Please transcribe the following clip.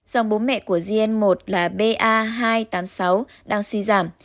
dòng bố mẹ của zn một là ba hai trăm tám mươi sáu đang suy giảm